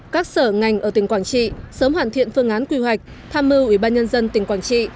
các sở ngành ở tỉnh quảng trị sớm hoàn thiện phương án quy hoạch tham mưu ủy ban nhân dân tỉnh quảng trị